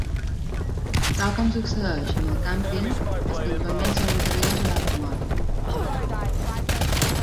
Tal com succeeix amb el càmping, els campaments són anteriors a l'automòbil.